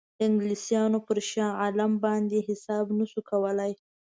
انګلیسانو پر شاه عالم باندې حساب نه شو کولای.